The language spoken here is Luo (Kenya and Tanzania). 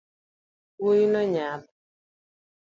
Wuoino nyap